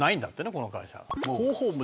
この会社。